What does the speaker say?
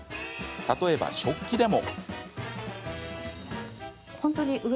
例えば食器でも。